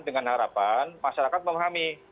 dengan harapan masyarakat memahami